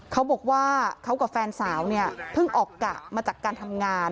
เขาบอกว่าเขากับแฟนสาวเนี่ยเพิ่งออกกะมาจากการทำงาน